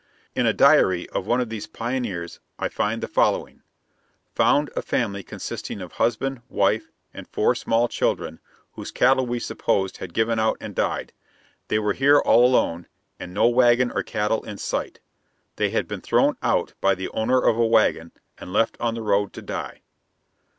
In a diary of one of these pioneers, I find the following: "Found a family consisting of husband, wife, and four small children, whose cattle we supposed had given out and died. They were here all alone, and no wagon or cattle in sight." They had been thrown out by the owner of a wagon and left on the road to die.